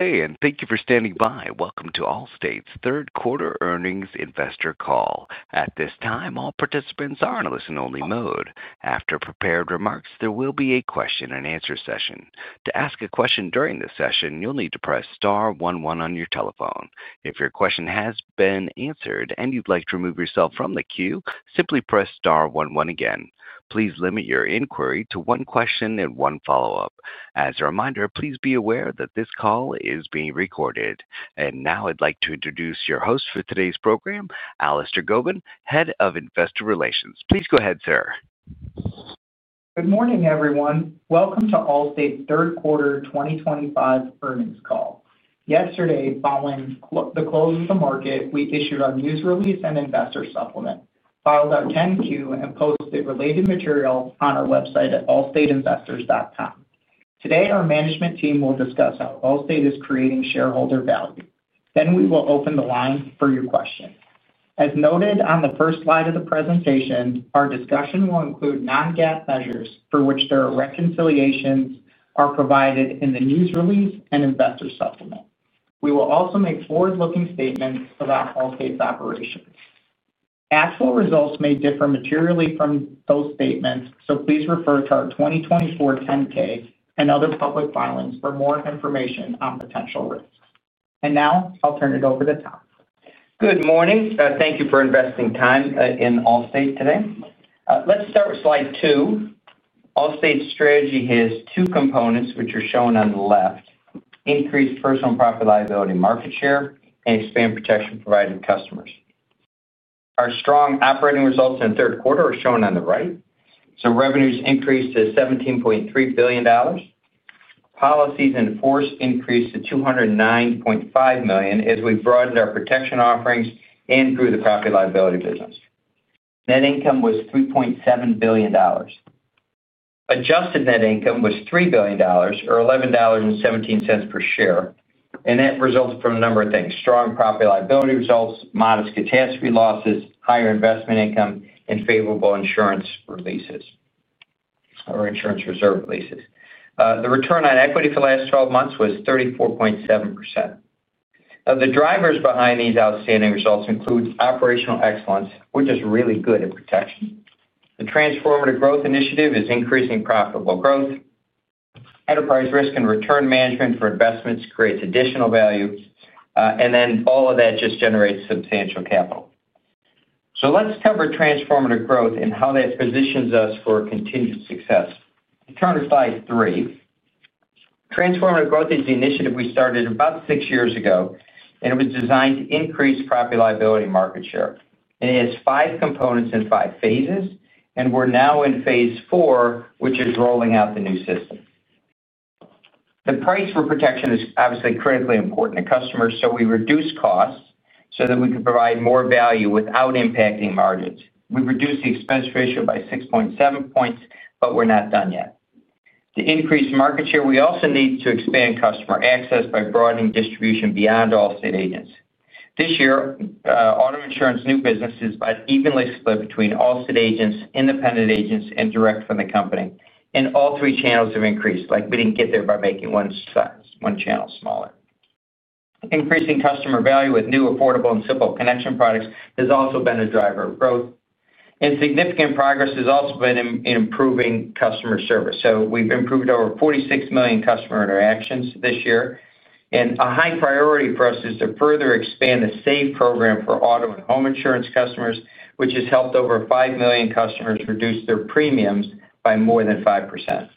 Hey, and thank you for standing by. Welcome to Allstate's third quarter earnings investor call. At this time, all participants are in a listen-only mode. After prepared remarks, there will be a question-and-answer session. To ask a question during this session, you'll need to press star one-one on your telephone. If your question has been answered and you'd like to remove yourself from the queue, simply press star one-one again. Please limit your inquiry to one question and one follow-up. As a reminder, please be aware that this call is being recorded. Now I'd like to introduce your host for today's program, Allister Gobin, Head of Investor Relations. Please go ahead, sir. Good morning, everyone. Welcome to Allstate's third quarter 2025 earnings call. Yesterday, following the close of the market, we issued our news release and investor supplement, filed our 10Q, and posted related material on our website at allstateinvestors.com. Today, our management team will discuss how Allstate is creating shareholder value. We will open the line for your questions. As noted on the first slide of the presentation, our discussion will include non-GAAP measures for which their reconciliations are provided in the news release and investor supplement. We will also make forward-looking statements about Allstate's operations. Actual results may differ materially from those statements, so please refer to our 2024 10K and other public filings for more information on potential risks. Now I'll turn it over to Tom. Good morning. Thank you for investing time in Allstate today. Let's start with slide two. Allstate's strategy has two components, which are shown on the left: increased personal and profit liability market share and expand protection provided to customers. Our strong operating results in the third quarter are shown on the right. Revenues increased to $17.3 billion. Policies in force increased to $209.5 million as we broadened our protection offerings and grew the property liability business. Net income was $3.7 billion. Adjusted net income was $3 billion, or $11.17 per share. That resulted from a number of things: strong property liability results, modest catastrophe losses, higher investment income, and favorable insurance reserve releases. The return on equity for the last 12 months was 34.7%. The drivers behind these outstanding results include operational excellence, which is really good at protection. The transformative growth initiative is increasing profitable growth. Enterprise risk and return management for investments creates additional value. All of that just generates substantial capital. Let's cover transformative growth and how that positions us for continued success. Turn to slide three. Transformative growth is the initiative we started about six years ago, and it was designed to increase property liability market share. It has five components and five phases. We're now in phase four, which is rolling out the new system. The price for protection is obviously critically important to customers, so we reduced costs so that we could provide more value without impacting margins. We reduced the expense ratio by 6.7 points, but we're not done yet. To increase market share, we also need to expand customer access by broadening distribution beyond Allstate agents. This year, auto insurance new business is evenly split between Allstate agents, independent agents, and direct from the company. All three channels have increased, like we didn't get there by making one channel smaller. Increasing customer value with new, affordable, and simple connection products has also been a driver of growth. Significant progress has also been in improving customer service. We have improved over 46 million customer interactions this year. A high priority for us is to further expand the SAVE program for auto and home insurance customers, which has helped over 5 million customers reduce their premiums by more than 5%.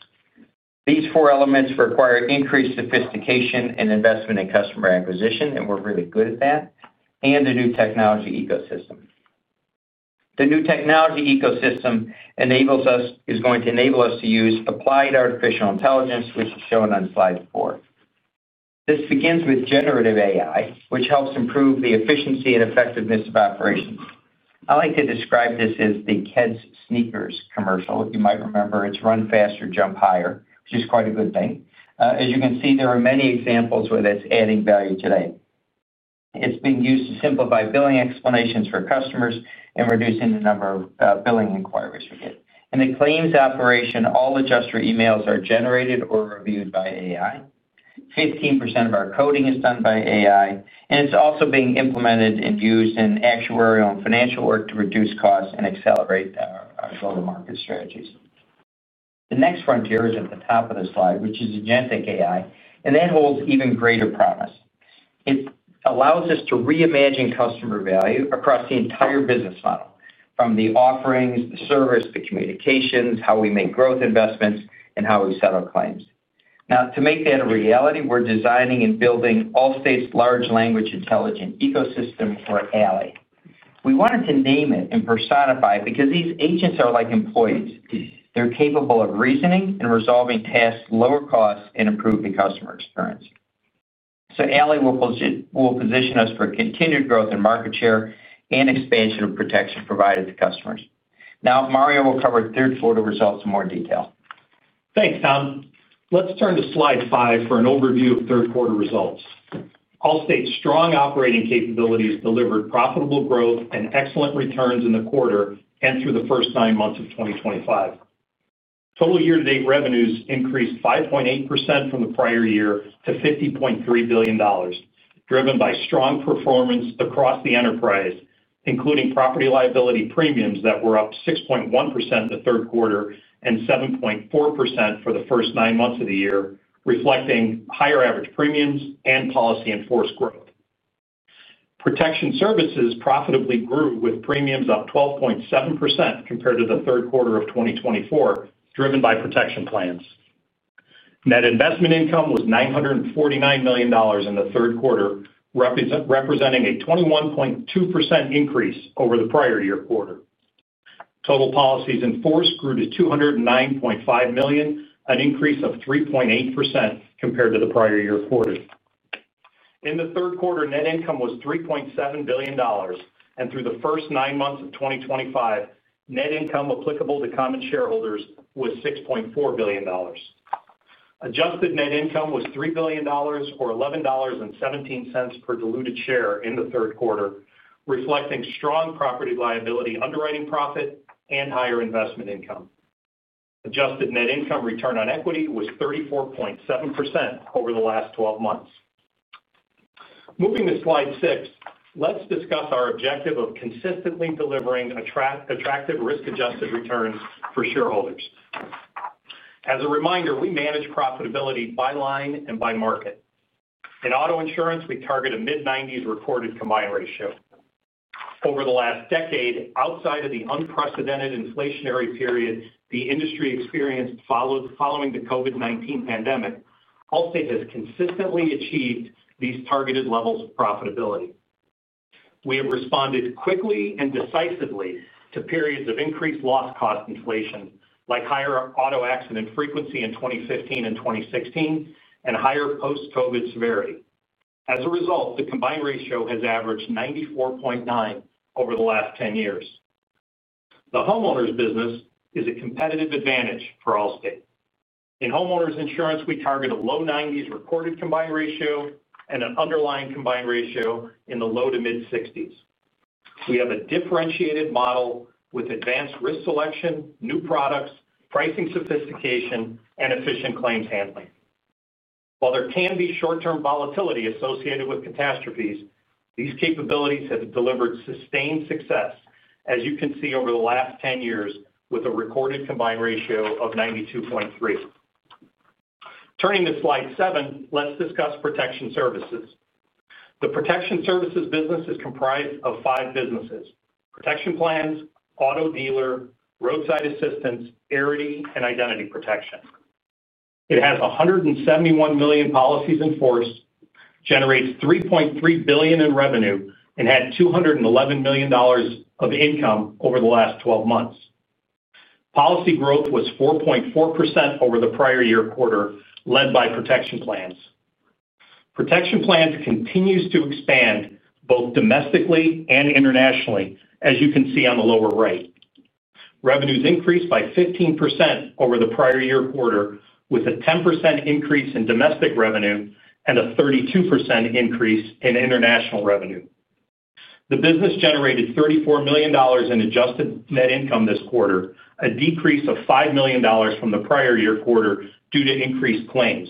These four elements require increased sophistication and investment in customer acquisition, and we're really good at that, and a new technology ecosystem. The new technology ecosystem is going to enable us to use applied artificial intelligence, which is shown on slide four. This begins with generative AI, which helps improve the efficiency and effectiveness of operations. I like to describe this as the Keds sneakers commercial. You might remember it's run faster or jump higher, which is quite a good thing. As you can see, there are many examples where that's adding value today. It's being used to simplify billing explanations for customers and reducing the number of billing inquiries we get. In the claims operation, all adjuster emails are generated or reviewed by AI. 15% of our coding is done by AI. It's also being implemented and used in actuarial and financial work to reduce costs and accelerate our go-to-market strategies. The next frontier is at the top of the slide, which is agentic AI. That holds even greater promise. It allows us to reimagine customer value across the entire business model, from the offerings, the service, the communications, how we make growth investments, and how we settle claims. Now, to make that a reality, we're designing and building Allstate's large language intelligent ecosystem, or ALLI. We wanted to name it and personify it because these agents are like employees. They're capable of reasoning and resolving tasks, lower costs, and improving customer experience. ALLI will position us for continued growth in market share and expansion of protection provided to customers. Now, Mario will cover third quarter results in more detail. Thanks, Tom. Let's turn to slide five for an overview of third quarter results. Allstate's strong operating capabilities delivered profitable growth and excellent returns in the quarter and through the first nine months of 2025. Total year-to-date revenues increased 5.8% from the prior year to $50.3 billion, driven by strong performance across the enterprise, including property liability premiums that were up 6.1% the third quarter and 7.4% for the first nine months of the year, reflecting higher average premiums and policy-in-force growth. Protection services profitably grew with premiums up 12.7% compared to the third quarter of 2024, driven by protection plans. Net investment income was $949 million in the third quarter, representing a 21.2% increase over the prior year quarter. Total policies in force grew to $209.5 million, an increase of 3.8% compared to the prior year quarter. In the third quarter, net income was $3.7 billion. Through the first nine months of 2025, net income applicable to common shareholders was $6.4 billion. Adjusted net income was $3 billion, or $11.17 per diluted share in the third quarter, reflecting strong property liability underwriting profit and higher investment income. Adjusted net income return on equity was 34.7% over the last 12 months. Moving to slide six, let's discuss our objective of consistently delivering attractive risk-adjusted returns for shareholders. As a reminder, we manage profitability by line and by market. In auto insurance, we target a mid-90s recorded combined ratio. Over the last decade, outside of the unprecedented inflationary period the industry experienced following the COVID-19 pandemic, Allstate has consistently achieved these targeted levels of profitability. We have responded quickly and decisively to periods of increased loss cost inflation, like higher auto accident frequency in 2015 and 2016, and higher post-COVID severity. As a result, the combined ratio has averaged 94.9 over the last 10 years. The homeowners business is a competitive advantage for Allstate. In homeowners insurance, we target a low-90s recorded combined ratio and an underlying combined ratio in the low- to mid-60s. We have a differentiated model with advanced risk selection, new products, pricing sophistication, and efficient claims handling. While there can be short-term volatility associated with catastrophes, these capabilities have delivered sustained success, as you can see over the last 10 years with a recorded combined ratio of 92.3. Turning to slide seven, let's discuss protection services. The protection services business is comprised of five businesses: protection plans, auto dealer, roadside assistance, Arity, and identity protection. It has 171 million policies in force, generates $3.3 billion in revenue, and had $211 million of income over the last 12 months. Policy growth was 4.4% over the prior year quarter, led by protection plans. Protection plans continue to expand both domestically and internationally, as you can see on the lower right. Revenues increased by 15% over the prior year quarter, with a 10% increase in domestic revenue and a 32% increase in international revenue. The business generated $34 million in adjusted net income this quarter, a decrease of $5 million from the prior year quarter due to increased claims.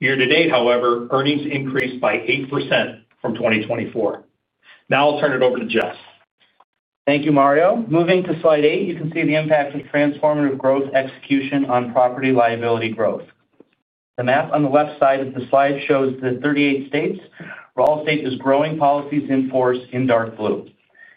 Year to date, however, earnings increased by 8% from 2024. Now I'll turn it over to Jess. Thank you, Mario. Moving to slide eight, you can see the impact of transformative growth execution on property liability growth. The map on the left side of the slide shows the 38 states where Allstate is growing policies in force in dark blue.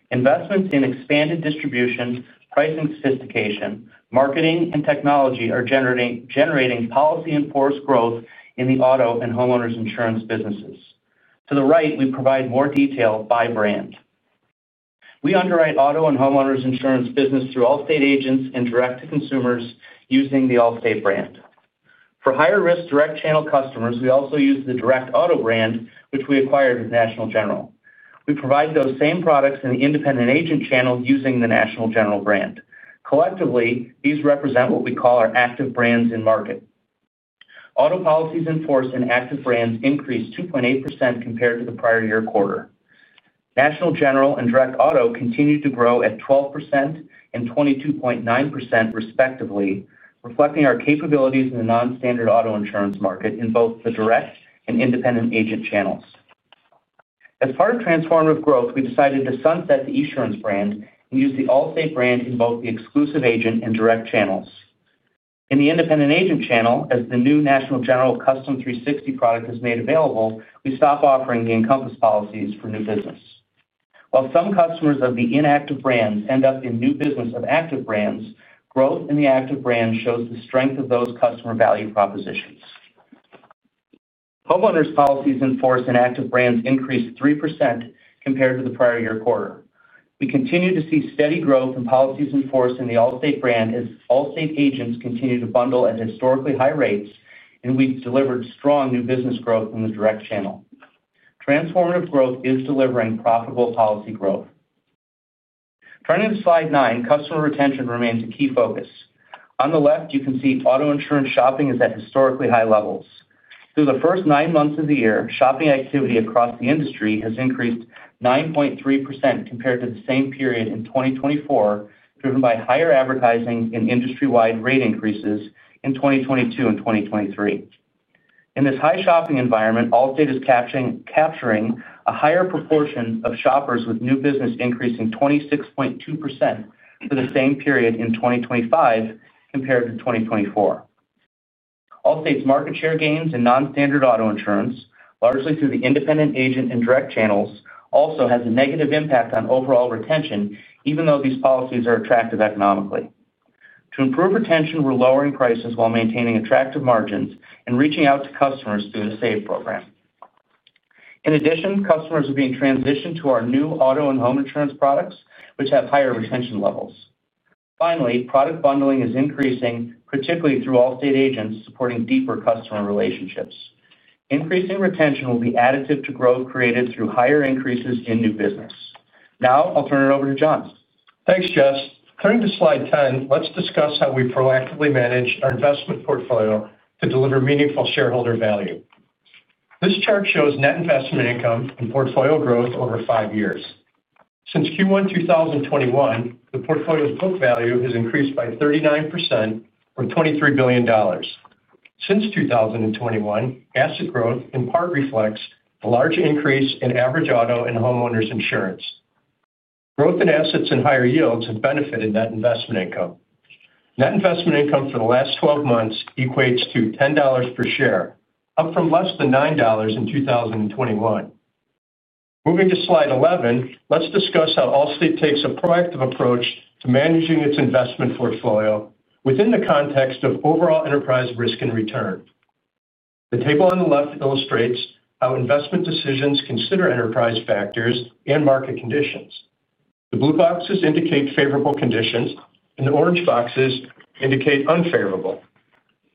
Investments in expanded distribution, pricing sophistication, marketing, and technology are generating policy in force growth in the auto and home insurance businesses. To the right, we provide more detail by brand. We underwrite auto and home insurance business through Allstate agents and direct to consumers using the Allstate brand. For higher risk direct channel customers, we also use the Direct Auto brand, which we acquired with National General. We provide those same products in the independent agent channel using the National General brand. Collectively, these represent what we call our active brands in market. Auto policies in force in active brands increased 2.8% compared to the prior year quarter. National General and Direct Auto continued to grow at 12% and 22.9% respectively, reflecting our capabilities in the non-standard auto insurance market in both the direct and independent agent channels. As part of transformative growth, we decided to sunset the Encompass insurance brand and use the Allstate brand in both the exclusive agent and direct channels. In the independent agent channel, as the new National General Custom 360 product is made available, we stopped offering the Encompass policies for new business. While some customers of the inactive brands end up in new business of active brands, growth in the active brand shows the strength of those customer value propositions. Homeowners policies in force in active brands increased 3% compared to the prior year quarter. We continue to see steady growth in policies in force in the Allstate brand as Allstate agents continue to bundle at historically high rates, and we've delivered strong new business growth in the direct channel. Transformative growth is delivering profitable policy growth. Turning to slide nine, customer retention remains a key focus. On the left, you can see auto insurance shopping is at historically high levels. Through the first nine months of the year, shopping activity across the industry has increased 9.3% compared to the same period in 2023, driven by higher advertising and industry-wide rate increases in 2022 and 2023. In this high shopping environment, Allstate is capturing a higher proportion of shoppers with new business increasing 26.2% for the same period in 2023 compared to 2022. Allstate's market share gains in non-standard auto insurance, largely through the independent agent and direct channels, also have a negative impact on overall retention, even though these policies are attractive economically. To improve retention, we're lowering prices while maintaining attractive margins and reaching out to customers through the SAVE program. In addition, customers are being transitioned to our new auto and home insurance products, which have higher retention levels. Finally, product bundling is increasing, particularly through Allstate agents supporting deeper customer relationships. Increasing retention will be additive to growth created through higher increases in new business. Now I'll turn it over to John. Thanks, Jess. Turning to slide 10, let's discuss how we proactively manage our investment portfolio to deliver meaningful shareholder value. This chart shows net investment income and portfolio growth over five years. Since Q1 2021, the portfolio's book value has increased by 39%, or $23 billion. Since 2021, asset growth in part reflects the large increase in average auto and homeowner's insurance. Growth in assets and higher yields have benefited net investment income. Net investment income for the last 12 months equates to $10 per share, up from less than $9 in 2021. Moving to slide 11, let's discuss how Allstate takes a proactive approach to managing its investment portfolio within the context of overall enterprise risk and return. The table on the left illustrates how investment decisions consider enterprise factors and market conditions. The blue boxes indicate favorable conditions, and the orange boxes indicate unfavorable.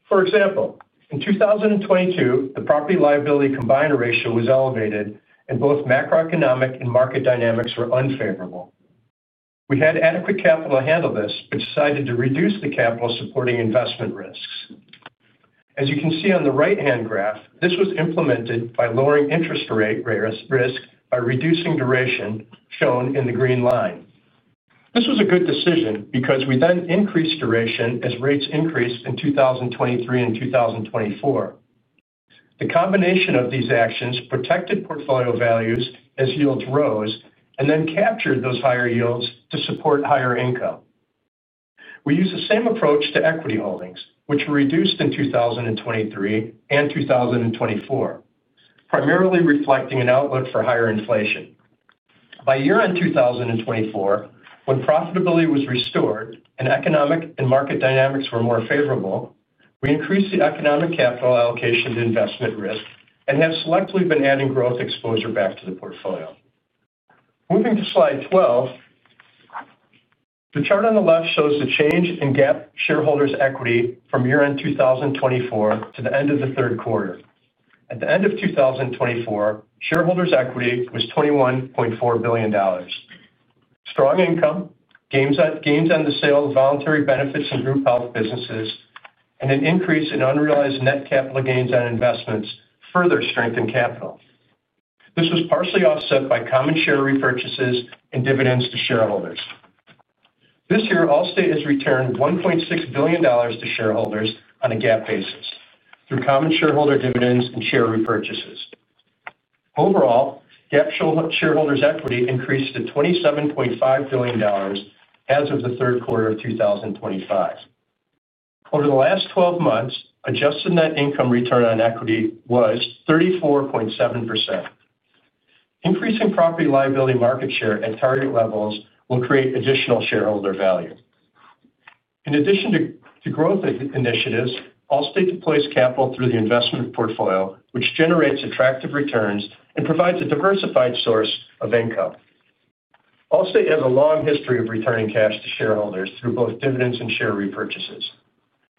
For example, in 2022, the property liability combined ratio was elevated, and both macroeconomic and market dynamics were unfavorable. We had adequate capital to handle this, but decided to reduce the capital supporting investment risks. As you can see on the right-hand graph, this was implemented by lowering interest rate risk by reducing duration, shown in the green line. This was a good decision because we then increased duration as rates increased in 2023 and 2024. The combination of these actions protected portfolio values as yields rose and then captured those higher yields to support higher income. We used the same approach to equity holdings, which were reduced in 2023 and 2024, primarily reflecting an outlook for higher inflation. By year-end 2024, when profitability was restored and economic and market dynamics were more favorable, we increased the economic capital allocation to investment risk and have selectively been adding growth exposure back to the portfolio. Moving to slide 12. The chart on the left shows the change in GAAP shareholders' equity from year-end 2024 to the end of the third quarter. At the end of 2024, shareholders' equity was $21.4 billion. Strong income, gains on the sale of voluntary benefits and group health businesses, and an increase in unrealized net capital gains on investments further strengthened capital. This was partially offset by common share repurchases and dividends to shareholders. This year, Allstate has returned $1.6 billion to shareholders on a GAAP basis through common shareholder dividends and share repurchases. Overall, GAAP shareholders' equity increased to $27.5 billion as of the third quarter of 2025. Over the last 12 months, adjusted net income return on equity was 34.7%. Increasing property liability market share at target levels will create additional shareholder value. In addition to growth initiatives, Allstate deploys capital through the investment portfolio, which generates attractive returns and provides a diversified source of income. Allstate has a long history of returning cash to shareholders through both dividends and share repurchases.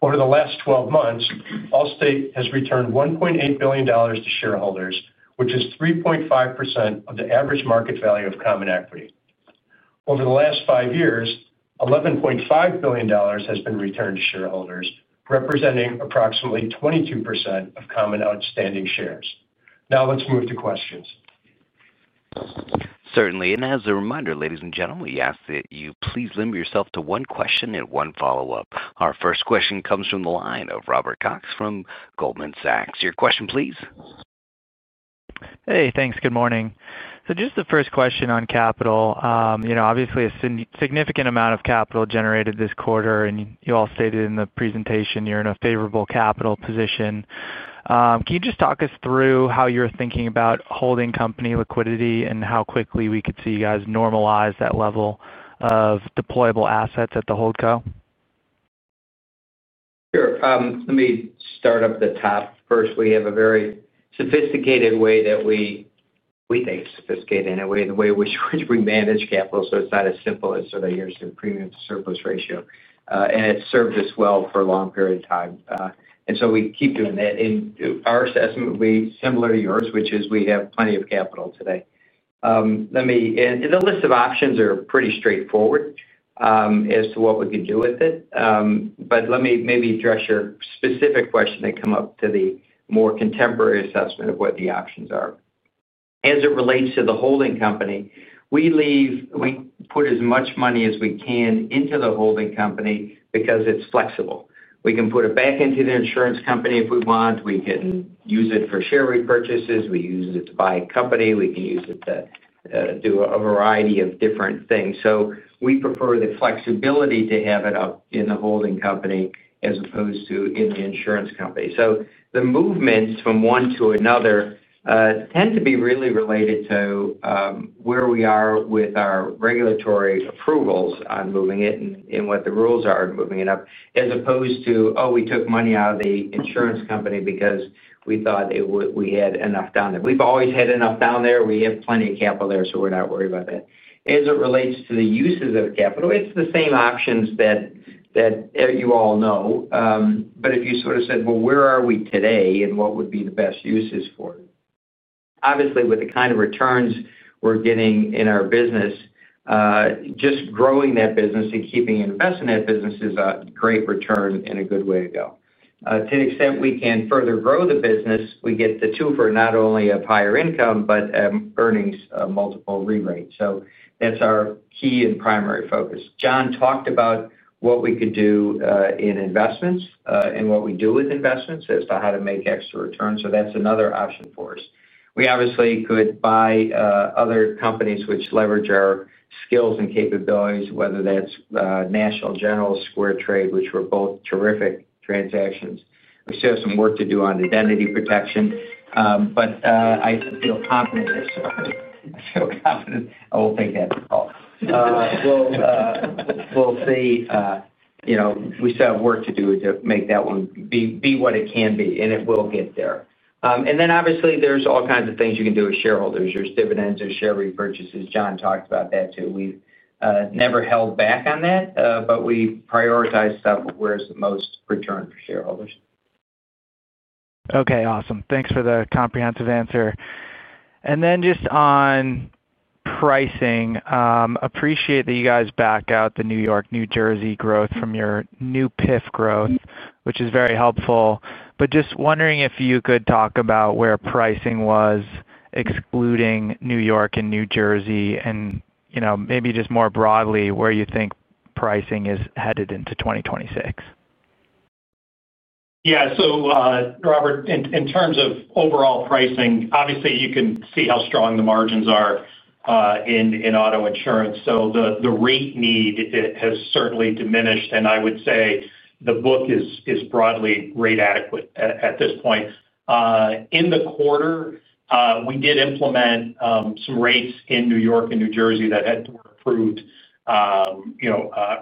Over the last 12 months, Allstate has returned $1.8 billion to shareholders, which is 3.5% of the average market value of common equity. Over the last five years, $11.5 billion has been returned to shareholders, representing approximately 22% of common outstanding shares. Now let's move to questions. Certainly. As a reminder, ladies and gentlemen, we ask that you please limit yourself to one question and one follow-up. Our first question comes from the line of Robert Cox from Goldman Sachs. Your question, please. Hey, thanks. Good morning. Just the first question on capital. Obviously, a significant amount of capital generated this quarter, and you all stated in the presentation you're in a favorable capital position. Can you just talk us through how you're thinking about holding company liquidity and how quickly we could see you guys normalize that level of deployable assets at the Holdco? Sure. Let me start up the top. First, we have a very sophisticated way that we think sophisticated in a way—the way in which we manage capital. It is not as simple as sort of your premium to surplus ratio. It has served us well for a long period of time. We keep doing that. Our assessment would be similar to yours, which is we have plenty of capital today. The list of options are pretty straightforward as to what we could do with it. Let me maybe address your specific question that came up to the more contemporary assessment of what the options are. As it relates to the holding company, we put as much money as we can into the holding company because it is flexible. We can put it back into the insurance company if we want. We can use it for share repurchases. We use it to buy a company. We can use it to do a variety of different things. We prefer the flexibility to have it up in the holding company as opposed to in the insurance company. The movements from one to another tend to be really related to where we are with our regulatory approvals on moving it and what the rules are on moving it up, as opposed to, "Oh, we took money out of the insurance company because we thought we had enough down there." We've always had enough down there. We have plenty of capital there, so we're not worried about that. As it relates to the uses of capital, it's the same options that you all know. If you sort of said, "Well, where are we today? What would be the best uses for it? Obviously, with the kind of returns we're getting in our business, just growing that business and keeping investing in that business is a great return and a good way to go. To the extent we can further grow the business, we get the twofer, not only of higher income but earnings multiple re-rate. That is our key and primary focus. John talked about what we could do in investments and what we do with investments as to how to make extra returns. That is another option for us. We obviously could buy other companies which leverage our skills and capabilities, whether that is National General, SquareTrade, which were both terrific transactions. We still have some work to do on identity protection. I feel confident. I feel confident I will take that call. We will see. We still have work to do to make that one be what it can be, and it will get there. Obviously, there are all kinds of things you can do with shareholders, your dividends, your share repurchases. John talked about that too. We have never held back on that, but we prioritize stuff where it is the most return for shareholders. Okay. Awesome. Thanks for the comprehensive answer. And then just on pricing, appreciate that you guys back out the New York, New Jersey growth from your new PIF growth, which is very helpful. But just wondering if you could talk about where pricing was, excluding New York and New Jersey, and maybe just more broadly where you think pricing is headed into 2026. Yeah. So Robert, in terms of overall pricing, obviously, you can see how strong the margins are in auto insurance. The rate need has certainly diminished. I would say the book is broadly rate adequate at this point. In the quarter, we did implement some rates in New York and New Jersey that had to be approved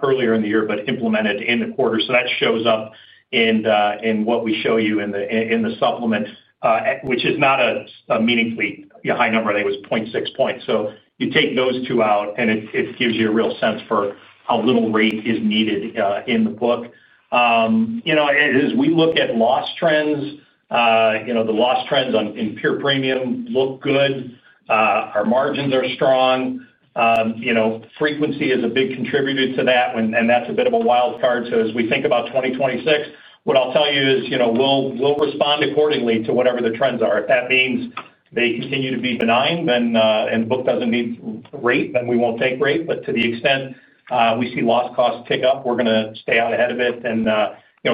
earlier in the year but implemented in the quarter. That shows up in what we show you in the supplement, which is not a meaningfully high number. I think it was 0.6 percentage points. You take those two out, and it gives you a real sense for how little rate is needed in the book. As we look at loss trends, the loss trends in pure premium look good. Our margins are strong. Frequency is a big contributor to that, and that's a bit of a wild card. As we think about 2026, what I'll tell you is we'll respond accordingly to whatever the trends are. If that means they continue to be benign and the book doesn't need rate, then we won't take rate. To the extent we see loss costs tick up, we're going to stay out ahead of it and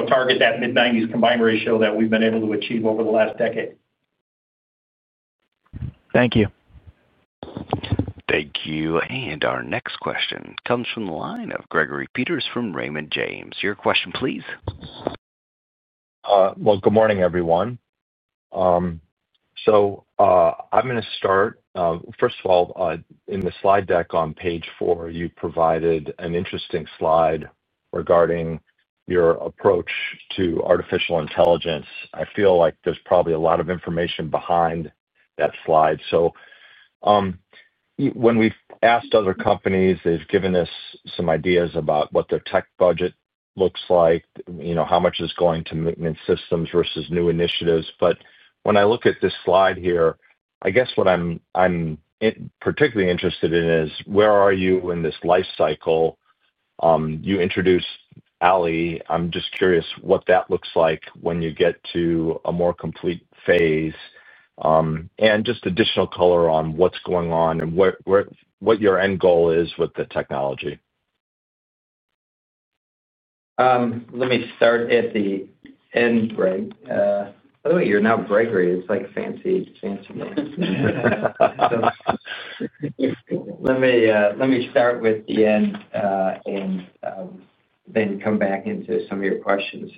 target that mid-90s combined ratio that we've been able to achieve over the last decade. Thank you. Thank you. Our next question comes from the line of Gregory Peters from Raymond James. Your question, please. Good morning, everyone. I'm going to start. First of all, in the slide deck on page four, you provided an interesting slide regarding your approach to artificial intelligence. I feel like there's probably a lot of information behind that slide. When we've asked other companies, they've given us some ideas about what their tech budget looks like, how much is going to maintenance systems versus new initiatives. When I look at this slide here, I guess what I'm particularly interested in is where are you in this life cycle? You introduced ALLI. I'm just curious what that looks like when you get to a more complete phase. Just additional color on what's going on and what your end goal is with the technology. Let me start at the end, Greg. By the way, you're now Gregory. It's like a fancy name. Let me start with the end. Then come back into some of your questions,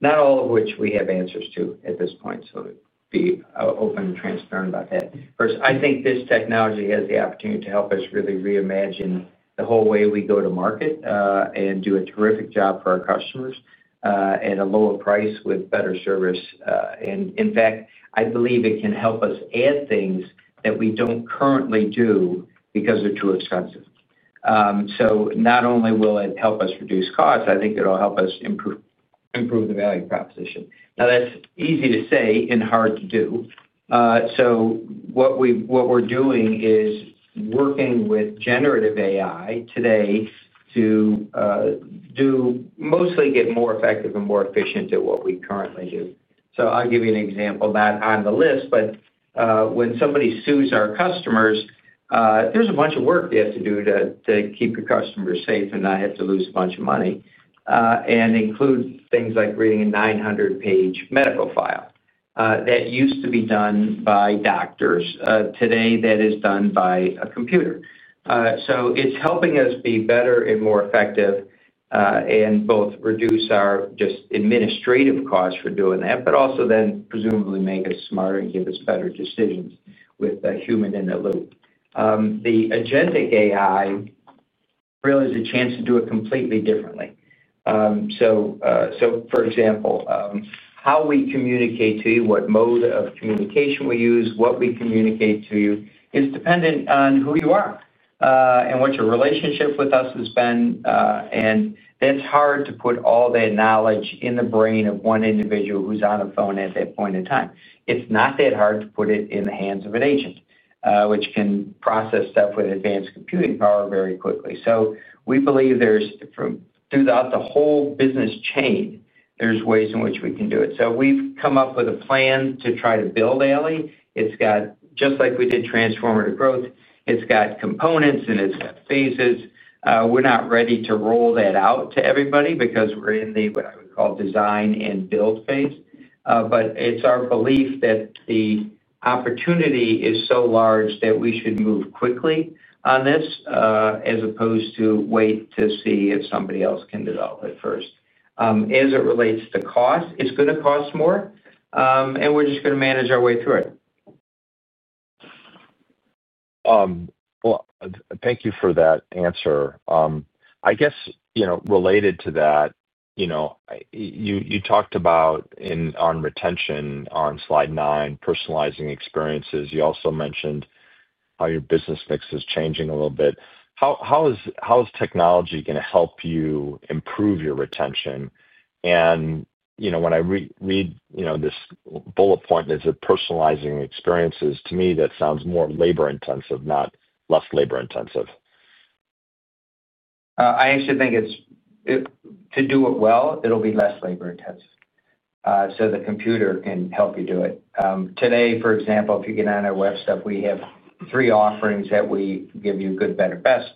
not all of which we have answers to at this point. Let me be open and transparent about that. First, I think this technology has the opportunity to help us really reimagine the whole way we go to market and do a terrific job for our customers at a lower price with better service. In fact, I believe it can help us add things that we don't currently do because they're too expensive. Not only will it help us reduce costs, I think it'll help us improve the value proposition. Now, that's easy to say and hard to do. What we're doing is working with generative AI today to. Mostly get more effective and more efficient at what we currently do. I'll give you an example of that on the list. When somebody sues our customers, there's a bunch of work they have to do to keep your customers safe and not have to lose a bunch of money. It includes things like reading a 900-page medical file that used to be done by doctors. Today, that is done by a computer. It's helping us be better and more effective. Both reduce our just administrative costs for doing that, but also then presumably make us smarter and give us better decisions with a human in the loop. The agentic AI really is a chance to do it completely differently. For example, how we communicate to you, what mode of communication we use, what we communicate to you is dependent on who you are and what your relationship with us has been. That's hard to put all that knowledge in the brain of one individual who's on a phone at that point in time. It's not that hard to put it in the hands of an agent, which can process stuff with advanced computing power very quickly. We believe there's, throughout the whole business chain, ways in which we can do it. We've come up with a plan to try to build ALLI. It's got, just like we did Transformative Growth, components and phases. We're not ready to roll that out to everybody because we're in what I would call design and build phase. It is our belief that the opportunity is so large that we should move quickly on this as opposed to wait to see if somebody else can develop it first. As it relates to cost, it is going to cost more. We are just going to manage our way through it. Thank you for that answer. I guess related to that, you talked about, on retention on slide nine, personalizing experiences. You also mentioned how your business mix is changing a little bit. How is technology going to help you improve your retention? And when I read this bullet point as a personalizing experiences, to me, that sounds more labor-intensive, not less labor-intensive. I actually think. To do it well, it'll be less labor-intensive. The computer can help you do it. Today, for example, if you get on our web stuff, we have three offerings that we give you: good, better, best.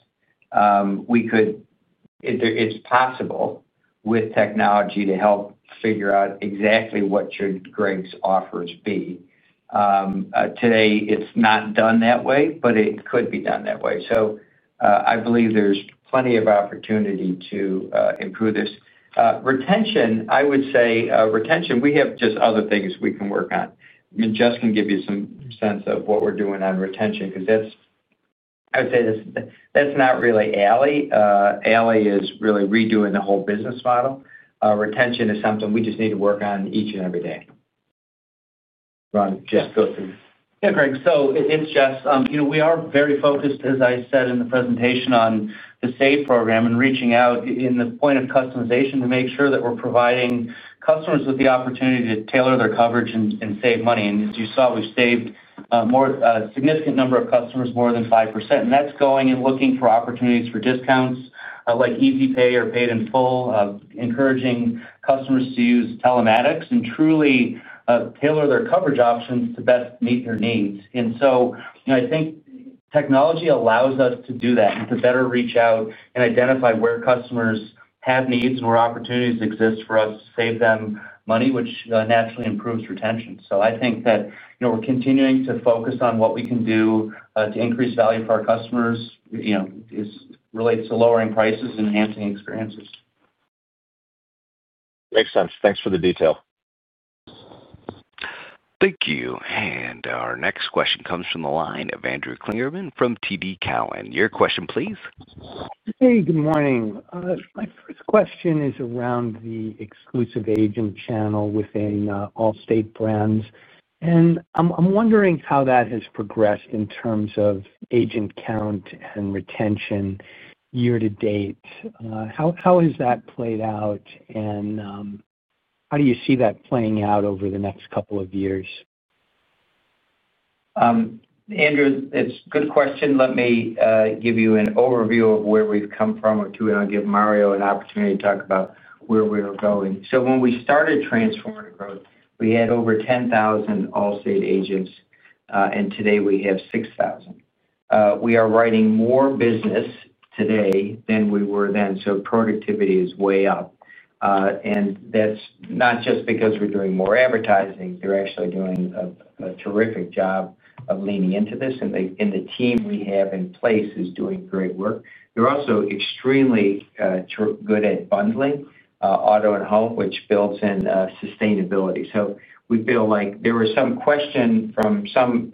It's possible with technology to help figure out exactly what should Greg's offers be. Today, it's not done that way, but it could be done that way. I believe there's plenty of opportunity to improve this. Retention, I would say retention, we have just other things we can work on. I mean, Justin can give you some sense of what we're doing on retention because that's, I would say that's not really ALLI. ALLI is really redoing the whole business model. Retention is something we just need to work on each and every day. Ron, just go through. Yeah, Greg. So it's Justin. We are very focused, as I said in the presentation, on the SAVE Program and reaching out in the point of customization to make sure that we're providing customers with the opportunity to tailor their coverage and save money. As you saw, we've saved a significant number of customers, more than 5%. That's going and looking for opportunities for discounts like EasyPay or Paid in Full, encouraging customers to use telematics and truly tailor their coverage options to best meet their needs. I think technology allows us to do that and to better reach out and identify where customers have needs and where opportunities exist for us to save them money, which naturally improves retention. I think that we're continuing to focus on what we can do to increase value for our customers. It relates to lowering prices and enhancing experiences. Makes sense. Thanks for the detail. Thank you. Our next question comes from the line of Andrew Klingerman from TD Cowen. Your question, please. Hey, good morning. My first question is around the exclusive agent channel within Allstate Brands. I am wondering how that has progressed in terms of agent count and retention year to date. How has that played out? How do you see that playing out over the next couple of years? Andrew, it's a good question. Let me give you an overview of where we've come from or two, and I'll give Mario an opportunity to talk about where we're going. When we started Transformative Growth, we had over 10,000 Allstate agents, and today we have 6,000. We are writing more business today than we were then. Productivity is way up. That's not just because we're doing more advertising. They're actually doing a terrific job of leaning into this. The team we have in place is doing great work. They're also extremely good at bundling auto and home, which builds in sustainability. We feel like there was some question from some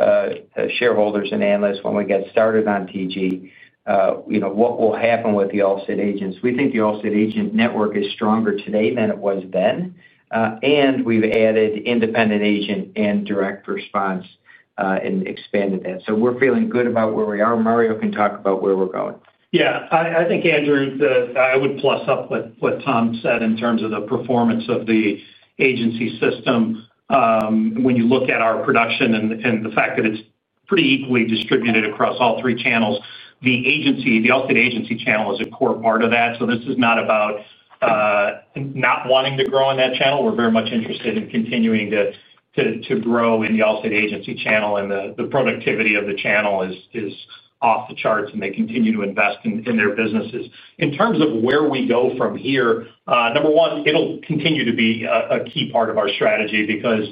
shareholders and analysts when we got started on TG. What will happen with the Allstate agents? We think the Allstate agent network is stronger today than it was then. We have added independent agent and direct response and expanded that. We are feeling good about where we are. Mario can talk about where we are going. Yeah. I think, Andrew, I would plus up what Tom said in terms of the performance of the agency system. When you look at our production and the fact that it's pretty equally distributed across all three channels, the Allstate agency channel is a core part of that. This is not about not wanting to grow in that channel. We're very much interested in continuing to grow in the Allstate agency channel, and the productivity of the channel is off the charts, and they continue to invest in their businesses. In terms of where we go from here, number one, it'll continue to be a key part of our strategy because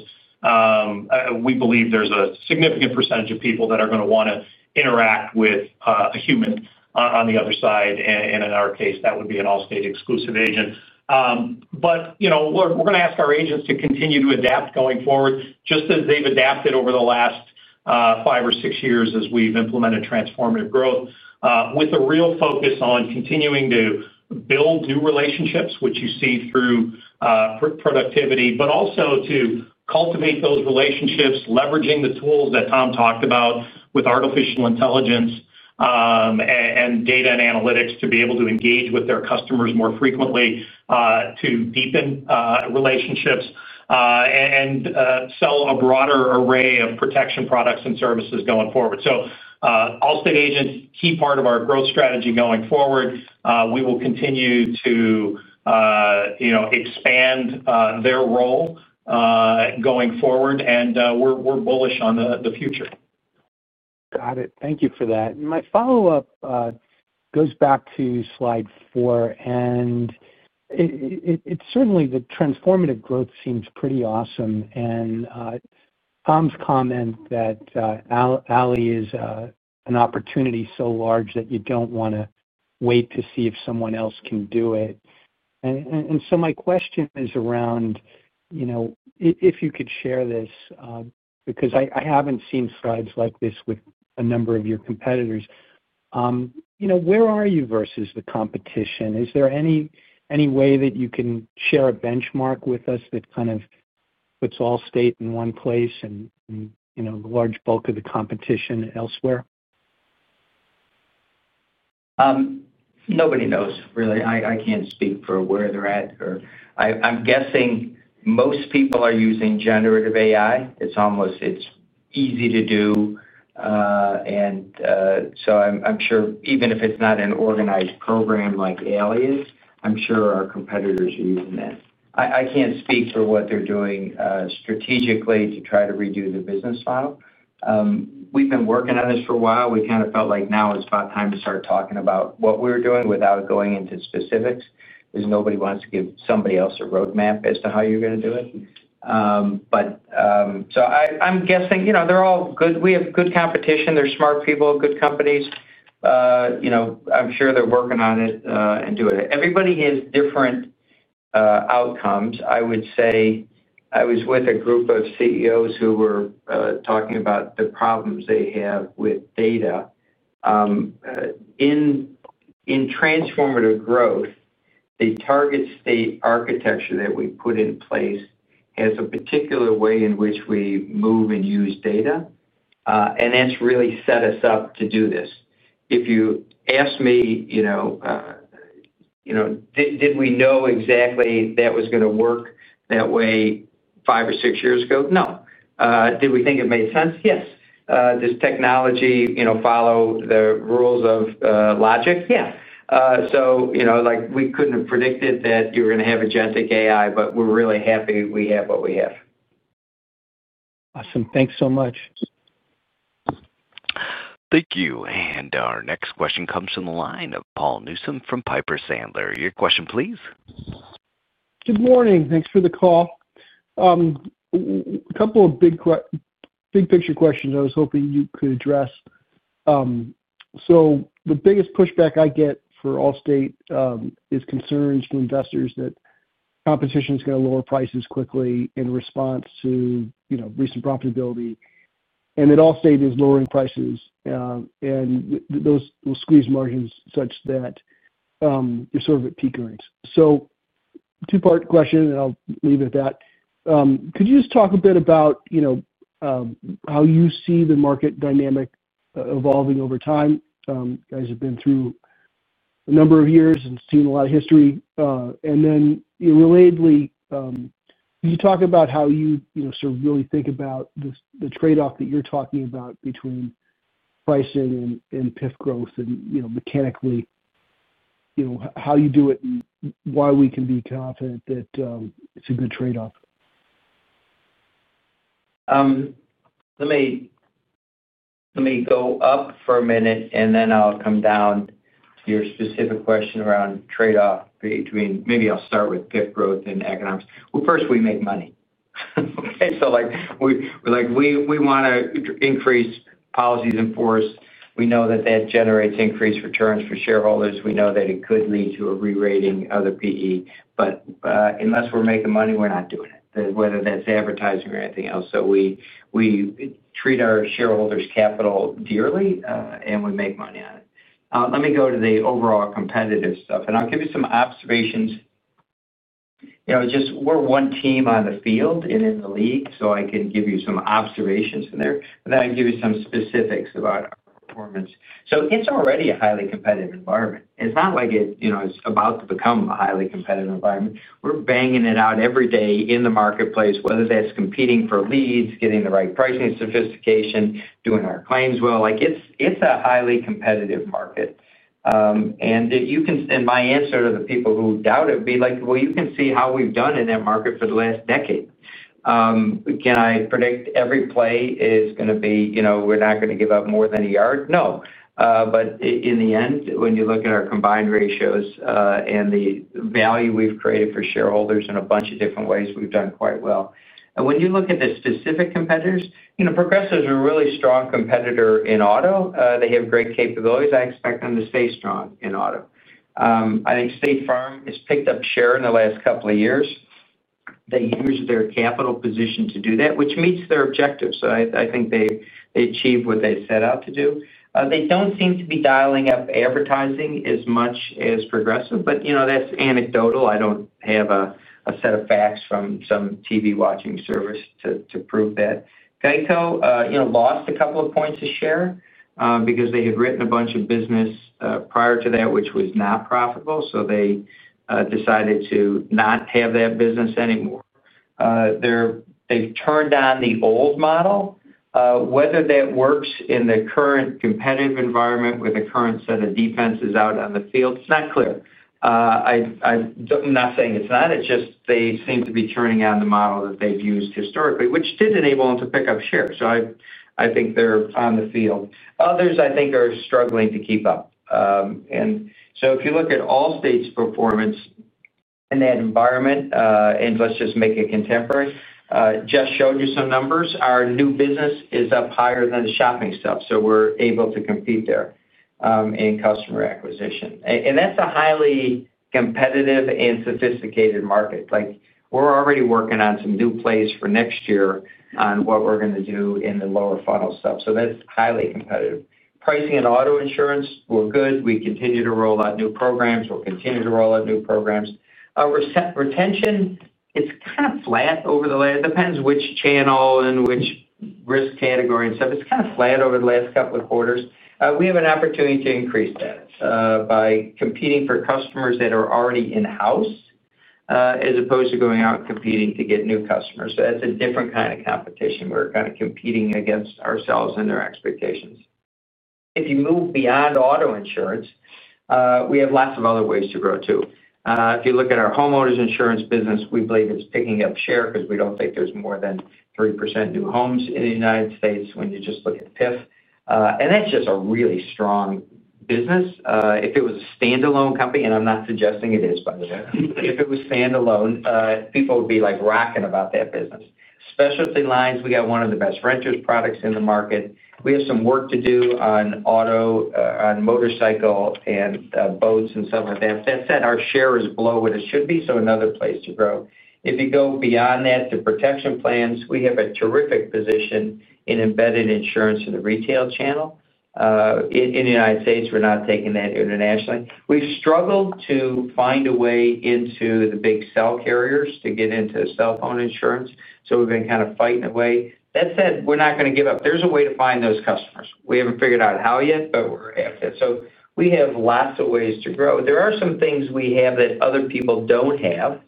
we believe there's a significant percentage of people that are going to want to interact with a human. On the other side, and in our case, that would be an Allstate exclusive agent. We're going to ask our agents to continue to adapt going forward, just as they've adapted over the last five or six years as we've implemented Transformative Growth, with a real focus on continuing to build new relationships, which you see through productivity, but also to cultivate those relationships, leveraging the tools that Tom talked about with artificial intelligence and data and analytics to be able to engage with their customers more frequently to deepen relationships and sell a broader array of protection products and services going forward. Allstate agents, key part of our growth strategy going forward. We will continue to expand their role going forward, and we're bullish on the future. Got it. Thank you for that. My follow-up goes back to slide four. It certainly, the transformative growth seems pretty awesome. Tom's comment that ALLI is an opportunity so large that you don't want to wait to see if someone else can do it. My question is around if you could share this, because I haven't seen slides like this with a number of your competitors. Where are you versus the competition? Is there any way that you can share a benchmark with us that kind of puts Allstate in one place and the large bulk of the competition elsewhere? Nobody knows, really. I can't speak for where they're at. I'm guessing most people are using generative AI. It's easy to do. I'm sure even if it's not an organized program like ALLI is, I'm sure our competitors are using that. I can't speak for what they're doing strategically to try to redo the business model. We've been working on this for a while. We kind of felt like now it's about time to start talking about what we're doing without going into specifics because nobody wants to give somebody else a roadmap as to how you're going to do it. I'm guessing they're all good. We have good competition. They're smart people, good companies. I'm sure they're working on it and doing it. Everybody has different outcomes, I would say. I was with a group of CEOs who were talking about the problems they have with data. In transformative growth, the target state architecture that we put in place has a particular way in which we move and use data. That has really set us up to do this. If you ask me, did we know exactly that was going to work that way five or six years ago? No. Did we think it made sense? Yes. Does technology follow the rules of logic? Yeah. We could not have predicted that you were going to have agentic AI, but we are really happy we have what we have. Awesome. Thanks so much. Thank you. Our next question comes from the line of Paul Newsom from Piper Sandler. Your question, please. Good morning. Thanks for the call. A couple of big picture questions I was hoping you could address. The biggest pushback I get for Allstate is concerns from investors that competition is going to lower prices quickly in response to recent profitability, and that Allstate is lowering prices, and those will squeeze margins such that you're sort of at peak earnings. Two-part question, and I'll leave it at that. Could you just talk a bit about how you see the market dynamic evolving over time? You guys have been through a number of years and seen a lot of history. Then relatedly, can you talk about how you sort of really think about the trade-off that you're talking about between pricing and PIF growth and mechanically how you do it and why we can be confident that it's a good trade-off? Let me go up for a minute, and then I'll come down to your specific question around trade-off between. Maybe I'll start with PIF growth and economics. First, we make money. Okay? We want to increase policies in force. We know that that generates increased returns for shareholders. We know that it could lead to a re-rating of the PE. Unless we're making money, we're not doing it, whether that's advertising or anything else. We treat our shareholders' capital dearly, and we make money on it. Let me go to the overall competitive stuff. I'll give you some observations. We're one team on the field and in the league, so I can give you some observations in there. I can give you some specifics about our performance. It's already a highly competitive environment. It's not like it's about to become a highly competitive environment. We're banging it out every day in the marketplace, whether that's competing for leads, getting the right pricing sophistication, doing our claims well. It's a highly competitive market. My answer to the people who doubt it would be like, "Well, you can see how we've done in that market for the last decade. Can I predict every play is going to be we're not going to give up more than a yard?" No. In the end, when you look at our combined ratios and the value we've created for shareholders in a bunch of different ways, we've done quite well. When you look at the specific competitors, Progressive is a really strong competitor in auto. They have great capabilities. I expect them to stay strong in auto. I think State Farm has picked up share in the last couple of years. They used their capital position to do that, which meets their objectives. I think they achieved what they set out to do. They do not seem to be dialing up advertising as much as Progressive, but that is anecdotal. I do not have a set of facts from some TV-watching service to prove that. GEICO lost a couple of points of share because they had written a bunch of business prior to that, which was not profitable. They decided to not have that business anymore. They have turned on the old model. Whether that works in the current competitive environment with the current set of defenses out on the field, it is not clear. I am not saying it is not. It's just they seem to be turning on the model that they've used historically, which did enable them to pick up share. I think they're on the field. Others, I think, are struggling to keep up. If you look at Allstate's performance in that environment, and let's just make it contemporary, just showed you some numbers. Our new business is up higher than the shopping stuff. We're able to compete there in customer acquisition. That's a highly competitive and sophisticated market. We're already working on some new plays for next year on what we're going to do in the lower funnel stuff. That's highly competitive. Pricing and auto insurance, we're good. We continue to roll out new programs. We'll continue to roll out new programs. Retention, it's kind of flat over the last. It depends which channel and which risk category and stuff. It's kind of flat over the last couple of quarters. We have an opportunity to increase that by competing for customers that are already in-house, as opposed to going out and competing to get new customers. That's a different kind of competition. We're kind of competing against ourselves and their expectations. If you move beyond auto insurance, we have lots of other ways to grow too. If you look at our homeowners insurance business, we believe it's picking up share because we don't think there's more than 3% new homes in the United States when you just look at PIF. That's just a really strong business. If it was a standalone company, and I'm not suggesting it is, by the way, if it was standalone, people would be rocking about that business. Specialty lines, we got one of the best renters products in the market. We have some work to do on motorcycle and boats and stuff like that. That said, our share is below what it should be, so another place to grow. If you go beyond that, the protection plans, we have a terrific position in embedded insurance in the retail channel. In the United States, we're not taking that internationally. We've struggled to find a way into the big cell carriers to get into cell phone insurance. We've been kind of fighting away. That said, we're not going to give up. There's a way to find those customers. We haven't figured out how yet, but we're after it. We have lots of ways to grow. There are some things we have that other people don't have.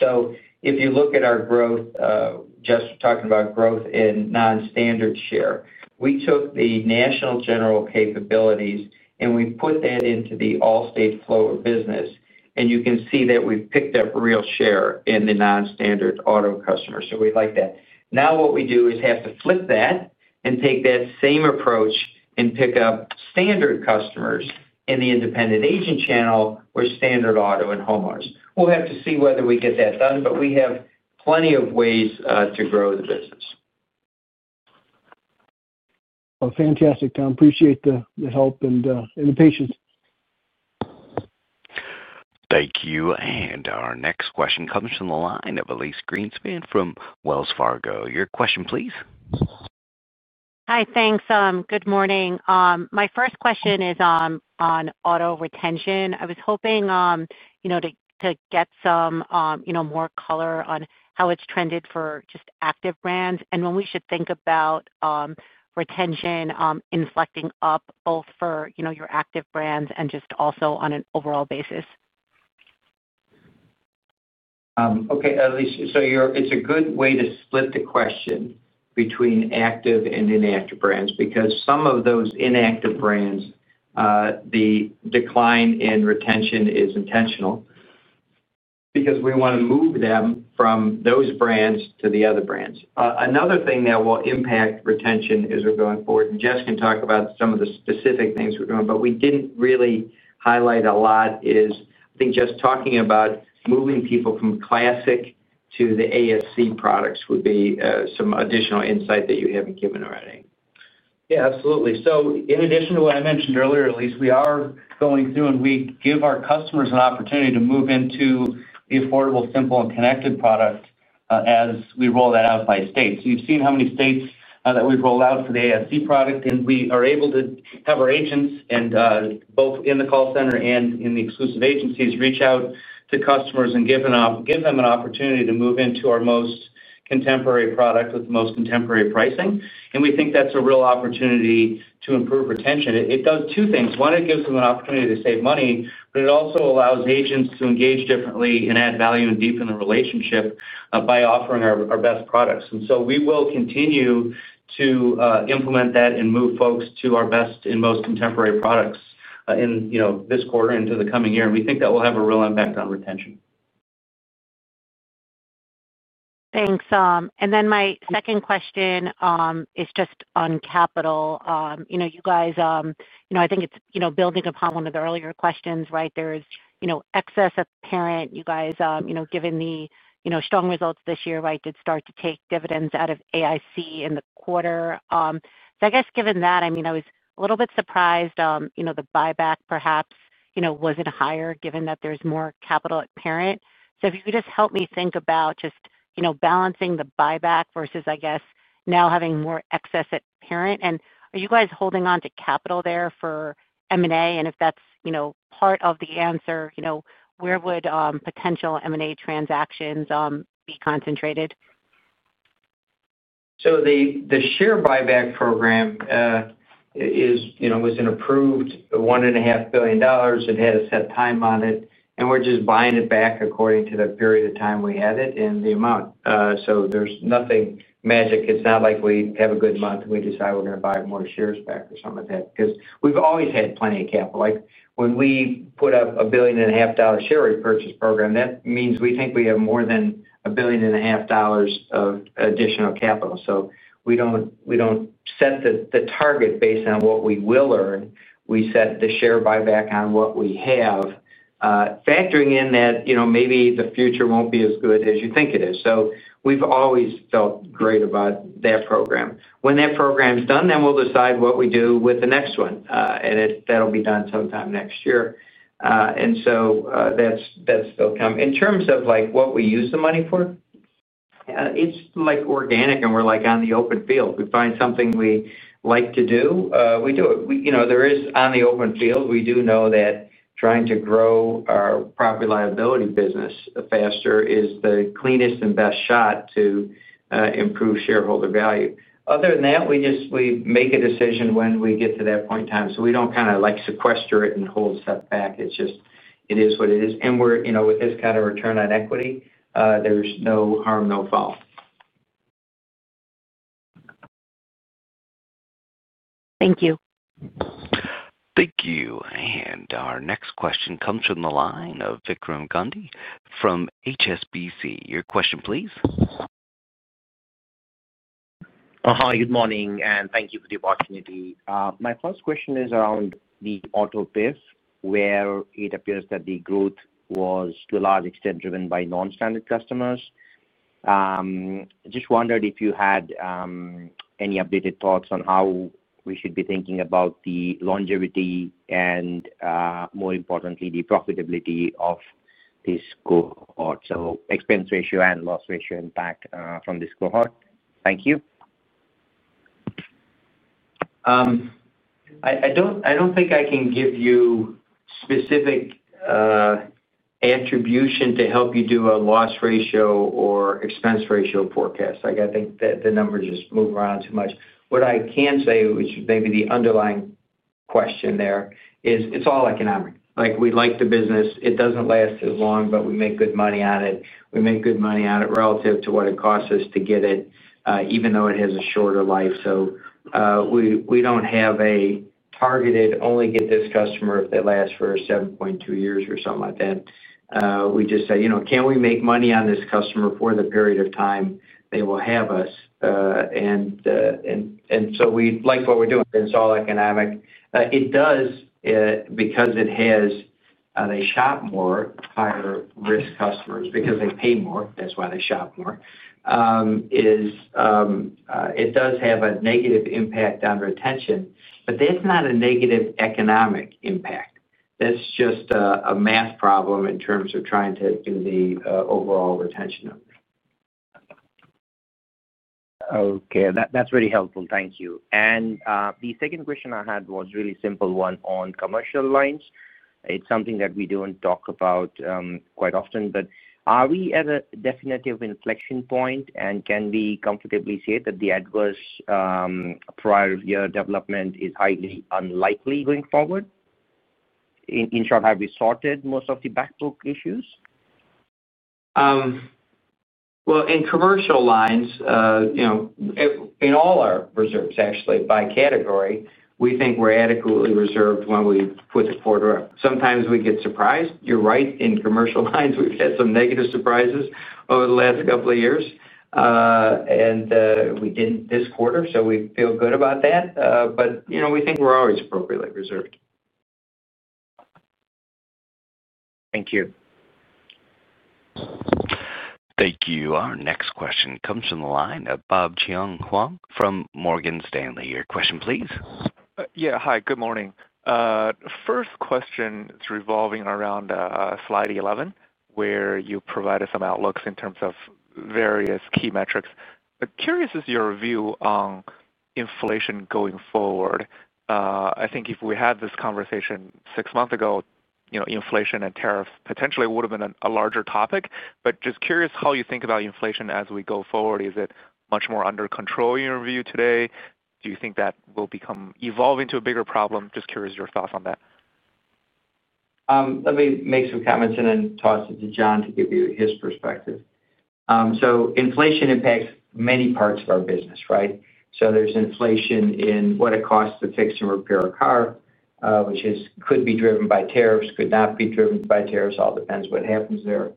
If you look at our growth. Just talking about growth in non-standard share, we took the National General capabilities and we put that into the Allstate flow of business. You can see that we've picked up real share in the non-standard auto customers. We like that. Now what we do is have to flip that and take that same approach and pick up standard customers in the independent agent channel with standard auto and homeowners. We'll have to see whether we get that done, but we have plenty of ways to grow the business. Fantastic, Tom. Appreciate the help and the patience. Thank you. Our next question comes from the line of Elyse Greenspan from Wells Fargo. Your question, please. Hi, thanks. Good morning. My first question is on auto retention. I was hoping to get some more color on how it's trended for just active brands and when we should think about retention inflecting up both for your active brands and just also on an overall basis. Okay, Elise. It's a good way to split the question between active and inactive brands because some of those inactive brands, the decline in retention is intentional. Because we want to move them from those brands to the other brands. Another thing that will impact retention as we're going forward, and Jess can talk about some of the specific things we're doing, but we didn't really highlight a lot is, I think, just talking about moving people from classic to the ASC products would be some additional insight that you haven't given already. Yeah, absolutely. In addition to what I mentioned earlier, Elise, we are going through and we give our customers an opportunity to move into the affordable, simple, and connected product as we roll that out by state. You have seen how many states that we have rolled out for the ASC product. We are able to have our agents both in the call center and in the exclusive agencies reach out to customers and give them an opportunity to move into our most contemporary product with the most contemporary pricing. We think that is a real opportunity to improve retention. It does two things. One, it gives them an opportunity to save money, but it also allows agents to engage differently and add value and deepen the relationship by offering our best products. We will continue to implement that and move folks to our best and most contemporary products in this quarter and into the coming year. We think that will have a real impact on retention. Thanks. Then my second question is just on capital. You guys, I think it's building upon one of the earlier questions, right? There's excess at the parent. You guys, given the strong results this year, right, did start to take dividends out of AIC in the quarter. I guess given that, I mean, I was a little bit surprised the buyback perhaps wasn't higher given that there's more capital at parent. If you could just help me think about just balancing the buyback versus, I guess, now having more excess at parent. Are you guys holding on to capital there for M&A? If that's part of the answer, where would potential M&A transactions be concentrated? The share buyback program was an approved $1.5 billion. It had a set time on it. We are just buying it back according to the period of time we had it and the amount. There is nothing magic. It is not like we have a good month and we decide we are going to buy more shares back or something like that because we have always had plenty of capital. When we put up a $1.5 billion share repurchase program, that means we think we have more than $1.5 billion of additional capital. We do not set the target based on what we will earn. We set the share buyback on what we have, factoring in that maybe the future will not be as good as you think it is. We have always felt great about that program. When that program's done, then we'll decide what we do with the next one. That'll be done sometime next year. That is still coming. In terms of what we use the money for, it's organic and we're on the open field. If we find something we like to do, we do it. There is on the open field. We do know that trying to grow our property liability business faster is the cleanest and best shot to improve shareholder value. Other than that, we make a decision when we get to that point in time. We do not kind of sequester it and hold stuff back. It is what it is. With this kind of return on equity, there's no harm, no foul. Thank you. Thank you. Our next question comes from the line of Vikram Gandhi from HSBC. Your question, please. Hi, good morning, and thank you for the opportunity. My first question is around the auto PIF, where it appears that the growth was to a large extent driven by non-standard customers. Just wondered if you had any updated thoughts on how we should be thinking about the longevity and, more importantly, the profitability of this cohort, so expense ratio and loss ratio impact from this cohort. Thank you. I don't think I can give you specific attribution to help you do a loss ratio or expense ratio forecast. I think the numbers just move around too much. What I can say, which may be the underlying question there, is it's all economic. We like the business. It doesn't last as long, but we make good money on it. We make good money on it relative to what it costs us to get it, even though it has a shorter life. We don't have a targeted, "Only get this customer if they last for 7.2 years or something like that." We just say, "Can we make money on this customer for the period of time they will have us?" We like what we're doing. It's all economic. It does, because it has. They shop more, higher risk customers because they pay more. That's why they shop more. It does have a negative impact on retention, but that's not a negative economic impact. That's just a math problem in terms of trying to do the overall retention number. Okay. That's really helpful. Thank you. The second question I had was a really simple one on commercial lines. It's something that we don't talk about quite often, but are we at a definitive inflection point? Can we comfortably say that the adverse prior year development is highly unlikely going forward? In short, have we sorted most of the backbook issues? In commercial lines. In all our reserves, actually, by category, we think we're adequately reserved when we put the quarter. Sometimes we get surprised. You're right. In commercial lines, we've had some negative surprises over the last couple of years. We didn't this quarter, so we feel good about that. We think we're always appropriately reserved. Thank you. Thank you. Our next question comes from the line of Bob Cheong Kwong from Morgan Stanley. Your question, please. Yeah. Hi, good morning. First question is revolving around slide 11, where you provided some outlooks in terms of various key metrics. Curious is your view on inflation going forward. I think if we had this conversation six months ago, inflation and tariffs potentially would have been a larger topic. Just curious how you think about inflation as we go forward. Is it much more under control in your view today? Do you think that will become evolve into a bigger problem? Just curious your thoughts on that. Let me make some comments and then toss it to John to give you his perspective. Inflation impacts many parts of our business, right? There is inflation in what it costs to fix and repair a car, which could be driven by tariffs, could not be driven by tariffs. It all depends what happens there.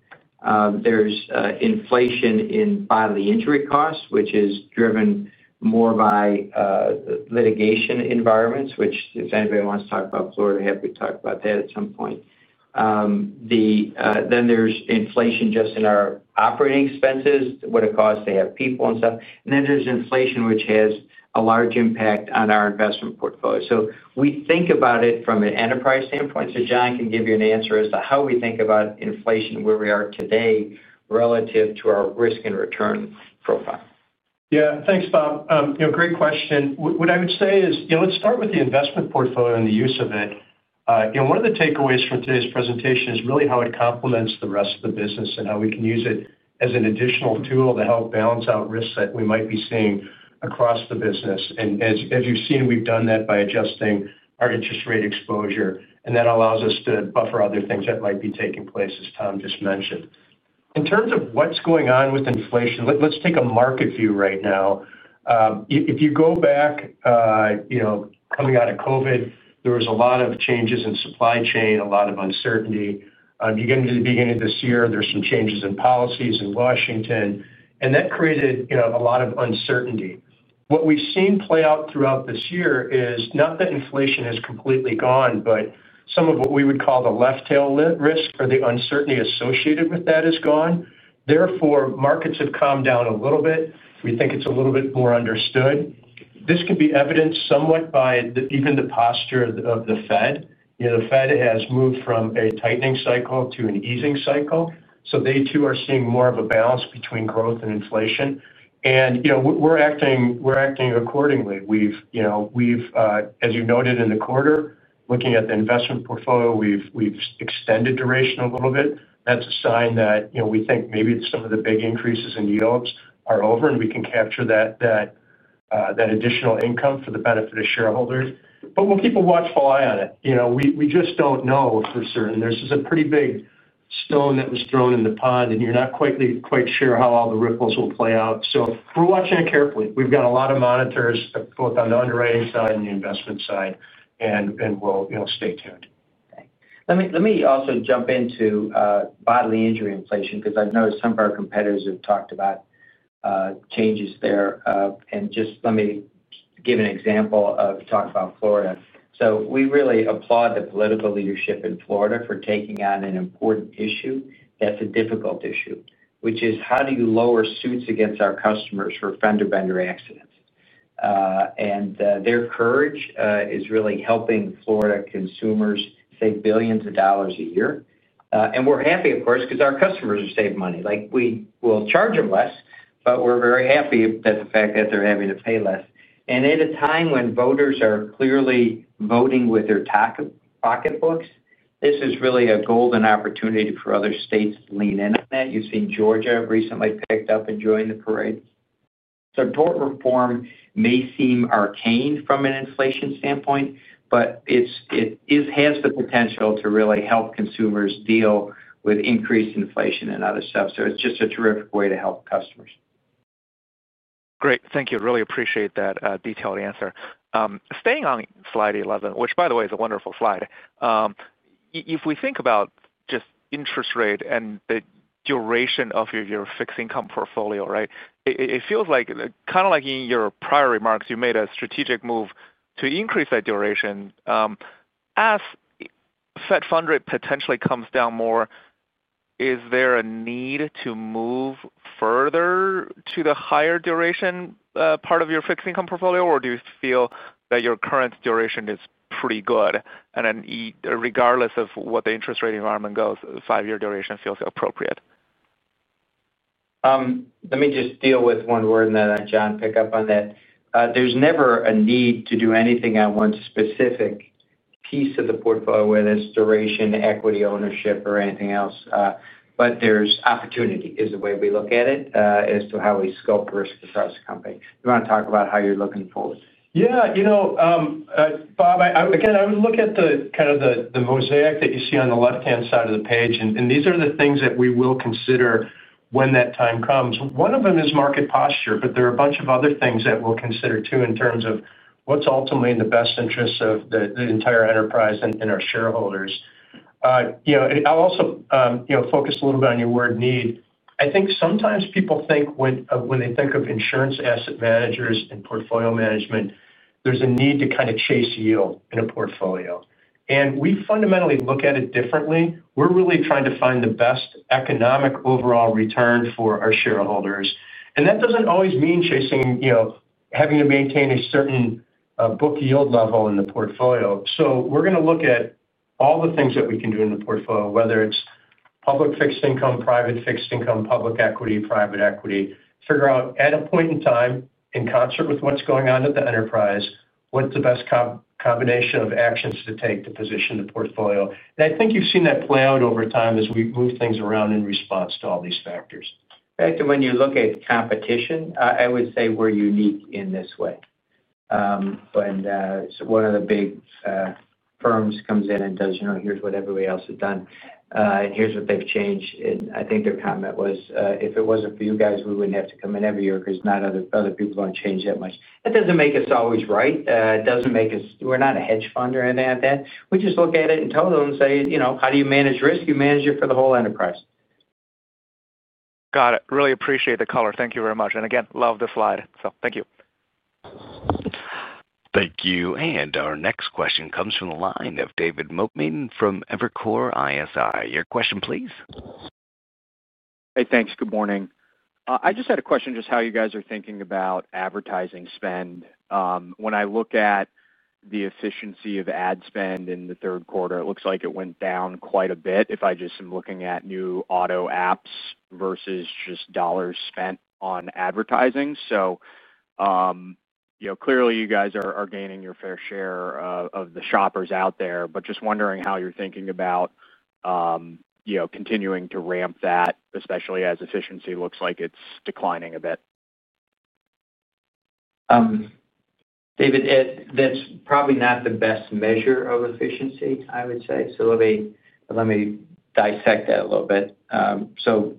There is inflation in bodily injury costs, which is driven more by litigation environments, which if anybody wants to talk about Florida, happy to talk about that at some point. There is inflation just in our operating expenses, what it costs to have people and stuff. There is inflation, which has a large impact on our investment portfolio. We think about it from an enterprise standpoint. John can give you an answer as to how we think about inflation and where we are today relative to our risk and return profile. Yeah. Thanks, Bob. Great question. What I would say is let's start with the investment portfolio and the use of it. One of the takeaways from today's presentation is really how it complements the rest of the business and how we can use it as an additional tool to help balance out risks that we might be seeing across the business. As you've seen, we've done that by adjusting our interest rate exposure. That allows us to buffer other things that might be taking place, as Tom just mentioned. In terms of what's going on with inflation, let's take a market view right now. If you go back, coming out of COVID, there was a lot of changes in supply chain, a lot of uncertainty. You get into the beginning of this year, there's some changes in policies in Washington. That created a lot of uncertainty. What we've seen play out throughout this year is not that inflation has completely gone, but some of what we would call the left-tail risk or the uncertainty associated with that is gone. Therefore, markets have calmed down a little bit. We think it's a little bit more understood. This can be evidenced somewhat by even the posture of the Fed. The Fed has moved from a tightening cycle to an easing cycle. They too are seeing more of a balance between growth and inflation. We're acting accordingly. As you noted in the quarter, looking at the investment portfolio, we've extended duration a little bit. That's a sign that we think maybe some of the big increases in yields are over and we can capture that additional income for the benefit of shareholders. We'll keep a watchful eye on it. We just don't know for certain. This is a pretty big stone that was thrown in the pond, and you're not quite sure how all the ripples will play out. We are watching it carefully. We have got a lot of monitors, both on the underwriting side and the investment side. We will stay tuned. Okay. Let me also jump into bodily injury inflation because I know some of our competitors have talked about changes there. Just let me give an example of talking about Florida. We really applaud the political leadership in Florida for taking on an important issue that's a difficult issue, which is how do you lower suits against our customers for fender-bender accidents? Their courage is really helping Florida consumers save billions of dollars a year. We're happy, of course, because our customers are saving money. We will charge them less, but we're very happy about the fact that they're having to pay less. At a time when voters are clearly voting with their pocketbooks, this is really a golden opportunity for other states to lean in on that. You've seen Georgia recently picked up and joined the parade. Support reform may seem arcane from an inflation standpoint, but it has the potential to really help consumers deal with increased inflation and other stuff. It is just a terrific way to help customers. Great. Thank you. Really appreciate that detailed answer. Staying on slide 11, which, by the way, is a wonderful slide. If we think about just interest rate and the duration of your fixed income portfolio, right, it feels like kind of like in your prior remarks, you made a strategic move to increase that duration. As the Fed fund rate potentially comes down more, is there a need to move further to the higher duration part of your fixed income portfolio, or do you feel that your current duration is pretty good? Regardless of what the interest rate environment goes, five-year duration feels appropriate. Let me just deal with one word and then let John pick up on that. There's never a need to do anything on one specific piece of the portfolio where there's duration, equity, ownership, or anything else. There's opportunity is the way we look at it as to how we scope risk across the company. You want to talk about how you're looking forward? Yeah. Bob, again, I would look at kind of the mosaic that you see on the left-hand side of the page. These are the things that we will consider when that time comes. One of them is market posture, but there are a bunch of other things that we'll consider too in terms of what's ultimately in the best interests of the entire enterprise and our shareholders. I'll also focus a little bit on your word need. I think sometimes people think when they think of insurance asset managers and portfolio management, there's a need to kind of chase yield in a portfolio. We fundamentally look at it differently. We're really trying to find the best economic overall return for our shareholders. That doesn't always mean chasing, having to maintain a certain book yield level in the portfolio. We're going to look at all the things that we can do in the portfolio, whether it's public fixed income, private fixed income, public equity, private equity, figure out at a point in time in concert with what's going on at the enterprise, what's the best combination of actions to take to position the portfolio. I think you've seen that play out over time as we move things around in response to all these factors. In fact, when you look at competition, I would say we're unique in this way. When one of the big firms comes in and does, "Here's what everybody else has done, and here's what they've changed." I think their comment was, "If it wasn't for you guys, we wouldn't have to come in every year because other people don't change that much." That doesn't make us always right. It doesn't make us—we're not a hedge fund or anything like that. We just look at it in total and say, "How do you manage risk? You manage it for the whole enterprise. Got it. Really appreciate the color. Thank you very much. Again, love the slide. Thank you. Thank you. Our next question comes from the line of David Mokman from Evercore ISI. Your question, please. Hey, thanks. Good morning. I just had a question just how you guys are thinking about advertising spend. When I look at the efficiency of ad spend in the third quarter, it looks like it went down quite a bit if I just am looking at new auto apps versus just dollars spent on advertising. Clearly, you guys are gaining your fair share of the shoppers out there, but just wondering how you're thinking about continuing to ramp that, especially as efficiency looks like it's declining a bit. David, that's probably not the best measure of efficiency, I would say. Let me dissect that a little bit. You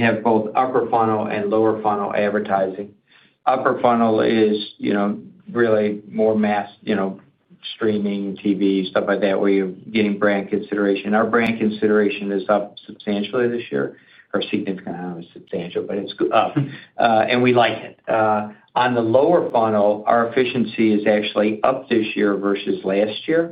have both upper funnel and lower funnel advertising. Upper funnel is really more mass, streaming, TV, stuff like that, where you're getting brand consideration. Our brand consideration is up substantially this year, or significant amount of substantial, but it's up, and we like it. On the lower funnel, our efficiency is actually up this year versus last year.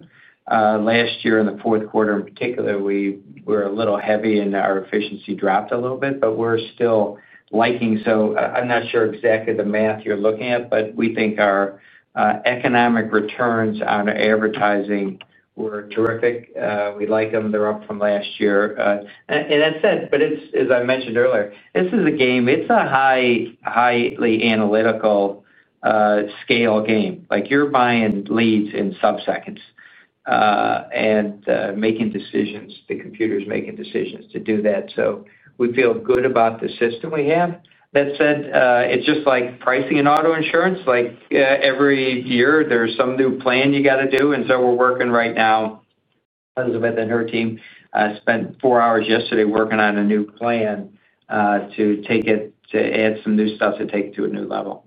Last year, in the fourth quarter in particular, we were a little heavy and our efficiency dropped a little bit, but we're still liking it. I'm not sure exactly the math you're looking at, but we think our economic returns on advertising were terrific. We like them. They're up from last year. That said, as I mentioned earlier, this is a game. It's a highly analytical, scale game. You're buying leads in subseconds. And making decisions. The computer's making decisions to do that. We feel good about the system we have. That said, it's just like pricing in auto insurance. Every year, there's some new plan you got to do. We're working right now. Elizabeth and her team spent four hours yesterday working on a new plan. To take it to add some new stuff to take it to a new level.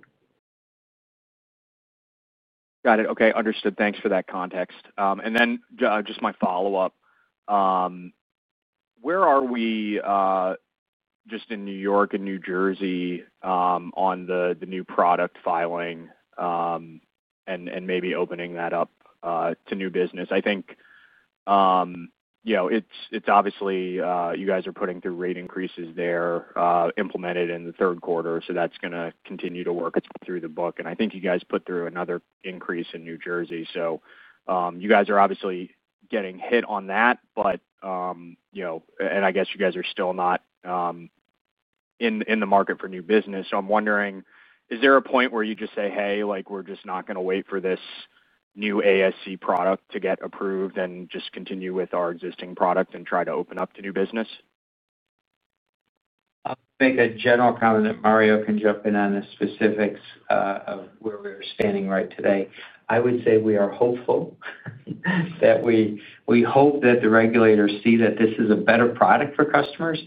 Got it. Okay. Understood. Thanks for that context. And then just my follow-up. Where are we just in New York and New Jersey on the new product filing, and maybe opening that up to new business? I think it's obviously you guys are putting through rate increases there, implemented in the third quarter. That's going to continue to work through the book. I think you guys put through another increase in New Jersey. You guys are obviously getting hit on that, but I guess you guys are still not in the market for new business. I'm wondering, is there a point where you just say, "Hey, we're just not going to wait for this new ASC product to get approved and just continue with our existing product and try to open up to new business"? I'll make a general comment that Mario can jump in on the specifics of where we're standing right today. I would say we are hopeful. That we hope that the regulators see that this is a better product for customers.